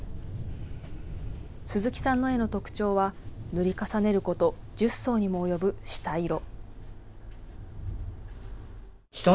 鈴木さんの絵の特徴は、塗り重ねること１０層にも及ぶ下色。